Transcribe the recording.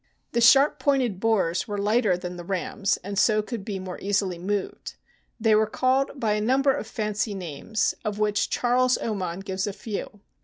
The sharp pointed bores were lighter than the rams, and so could be more easily moved. They were called by a number of fancy names, of which Charles Oman gives a few.